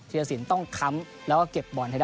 รสินต้องค้ำแล้วก็เก็บบอลให้ได้